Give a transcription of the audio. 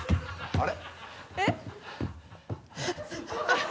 あれ？